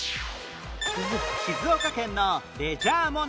静岡県のレジャー問題